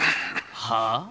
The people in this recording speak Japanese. はあ？